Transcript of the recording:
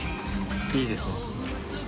いいですね。